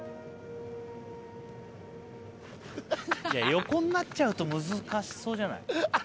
横になっちゃうと難しそうじゃない？